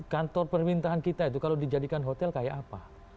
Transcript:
kantor permintaan kita itu kalau dijadikan hotel kayak apa